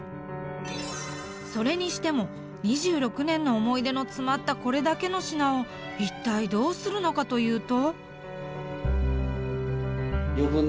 それにしても２６年の思い出の詰まったこれだけの品を一体どうするのかというと。